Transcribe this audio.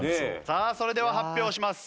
さあそれでは発表します。